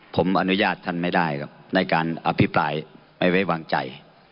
ผมอนุญาตท่านไม่ได้ครับในการอภิปรายไม่ไว้วางใจ